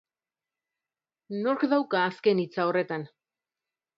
Nork dauka azken hitza horretan?